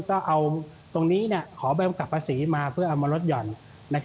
ก็เอาตรงนี้ขอบริษัทกลับภาษีมาเพื่อเอามาลดหย่อน